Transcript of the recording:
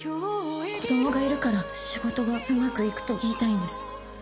子供がいるから仕事がうまくいくと言いたいんです。